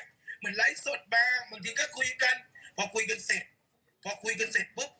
เหมือนไลฟ์สดมาบางทีก็คุยกันพอคุยกันเสร็จพอคุยกันเสร็จปุ๊บ